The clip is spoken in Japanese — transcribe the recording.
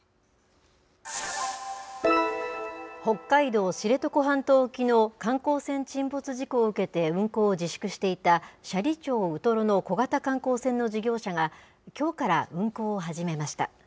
北海道知床半島沖の観光船沈没事故を受けて、運航を自粛していた斜里町ウトロの小型観光船の事業者が、きょうから運航を始めました。